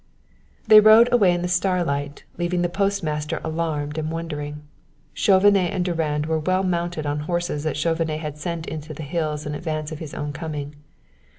They rode away in the starlight, leaving the postmaster alarmed and wondering. Chauvenet and Durand were well mounted on horses that Chauvenet had sent into the hills in advance of his own coming.